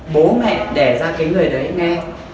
bố mẹ đẻ ra cái người đấy nghe